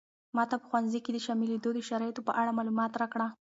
ماته په ښوونځي کې د شاملېدو د شرایطو په اړه معلومات راکړه.